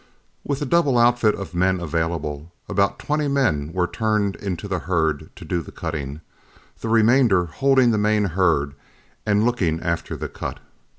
With a double outfit of men available, about twenty men were turned into the herd to do the cutting, the remainder holding the main herd and looking after the cut.